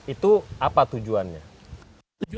itu apa tujuannya